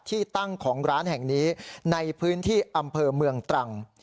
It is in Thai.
ที่ตั้งของร้านแห่งนี้ในพื้นที่อำเภอเมืองตรัง